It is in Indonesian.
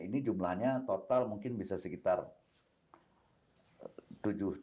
ini jumlahnya total mungkin bisa sekitar tujuh triliun